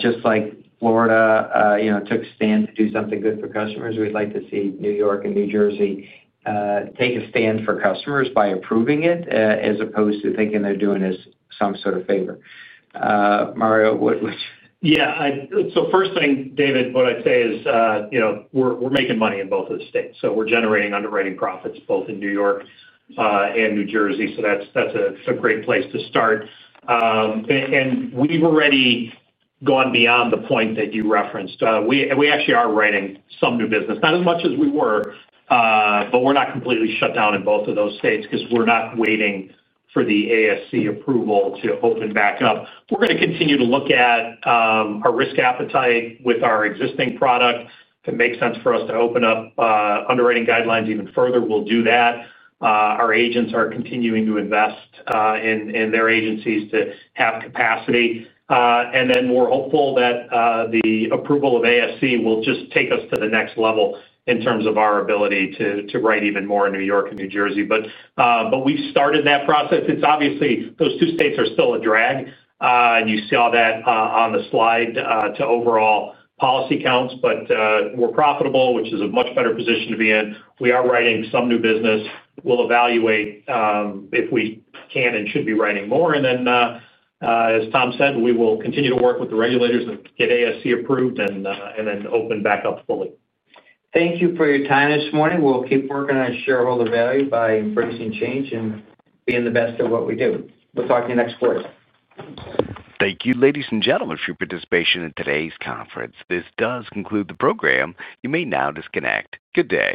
Just like Florida took a stand to do something good for customers, we'd like to see New York and New Jersey take a stand for customers by approving it as opposed to thinking they're doing us some sort of favor. Mario, what would you? Yeah. First thing, David, what I'd say is we're making money in both of the states. We're generating underwriting profits both in New York and New Jersey. That's a great place to start. We've already gone beyond the point that you referenced. We actually are writing some new business, not as much as we were, but we're not completely shut down in both of those states because we're not waiting for the ASC approval to open back up. We're going to continue to look at our risk appetite with our existing product. If it makes sense for us to open up underwriting guidelines even further, we'll do that. Our agents are continuing to invest in their agencies to have capacity. We're hopeful that the approval of ASC will just take us to the next level in terms of our ability to write even more in New York and New Jersey. We've started that process. Obviously, those two states are still a drag. You saw that on the slide to overall policy counts. We're profitable, which is a much better position to be in. We are writing some new business. We'll evaluate if we can and should be writing more. As Tom said, we will continue to work with the regulators and get ASC approved and then open back up fully. Thank you for your time this morning. We'll keep working on shareholder value by embracing change and being the best at what we do. We'll talk to you next quarter. Thank you, ladies and gentlemen, for your participation in today's conference. This does conclude the program. You may now disconnect. Good day.